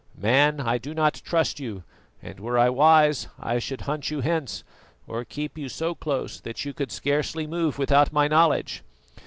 Man, I do not trust you, and were I wise I should hunt you hence, or keep you so close that you could scarcely move without my knowledge.